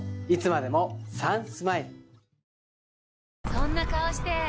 そんな顔して！